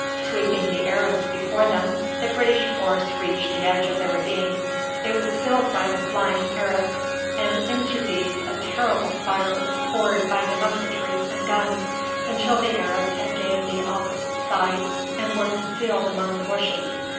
Sweeping the Arabs before them, the British force reached the edge of the ravine. It was filled by the flying Arabs, and into these a terrible fire was poured by the musketry and guns until the Arabs had gained the opposite side and were concealed among the bushes.